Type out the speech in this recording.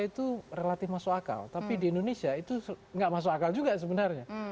itu relatif masuk akal tapi di indonesia itu enggak masuk akal juga sebenarnya artinya mungkin yang yang